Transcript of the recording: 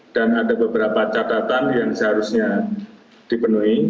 dan ada beberapa catatan yang seharusnya dipenuhi